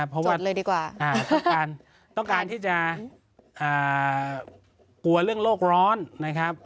เพราะว่าต้องการที่จะกลัวเรื่องโรคร้อนนะครับ